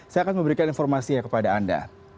saya akan memberikan informasinya kepada anda